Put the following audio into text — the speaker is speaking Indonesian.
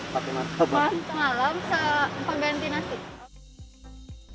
malam malam sepengganti nasi